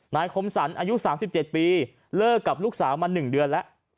คมสรรอายุ๓๗ปีเลิกกับลูกสาวมา๑เดือนแล้ว